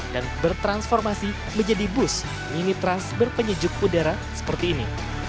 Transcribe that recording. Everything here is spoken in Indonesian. dan bertransformasi menjadi bus mini trans berpenyejuk udara seperti ini